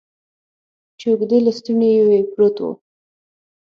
چې اوږدې لستوڼي یې وې، پروت و.